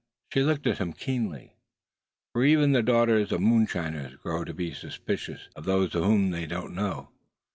She looked at him keenly, for even the daughters of moonshiners grow to be suspicious of those whom they do not know.